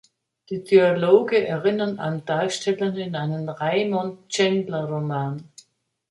Die Dialoge erinnern an Darsteller in einem Raymond Chandler Roman.